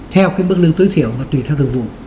theo cái mức lương tối thiểu và tùy theo thực vụ